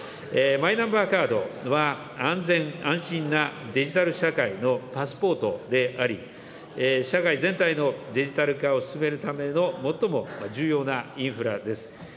マイナンバーカードは、安全安心なデジタル社会のパスポートであり、社会全体のデジタル化を進めるための最も重要なインフラです。